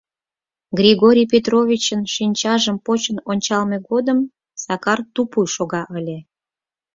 Григорий Петровичын шинчажым почын ончалме годым Сакар тупуй шога ыле.